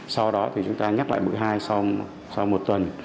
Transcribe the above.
sau đó thì chúng ta nhắc lại mũi hai xong sau một tuần